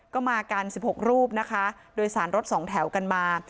ก็มากัน๑๖รูปนะคะโดยสารรถสองแถวกันมา